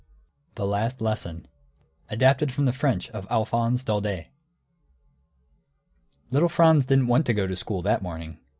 THE LAST LESSON [Footnote 1: Adapted from the French of Alphonse Daudet.] Little Franz didn't want to go to school, that morning.